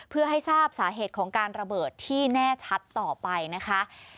เพื่อให้ทราบสาเหตุของการระเบิดที่แน่ชัดต่อไปนะคะ